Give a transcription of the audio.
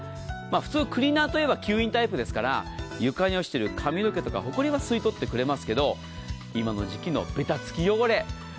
普通、クリーナーといえば吸引タイプですから床に落ちている髪の毛とかほこりは吸い取ってくれますが今の時期のべたつき汚れ